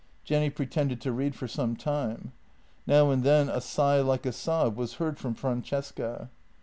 Jenny pretended to read for some time. Now and then a sigh like a sob was heard from Francesca.